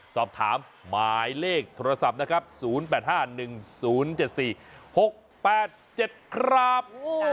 สอบถามหมายเลขโทรศัพท์นะครับ๐๘๕๑๐๗๔๖๘๗ครับ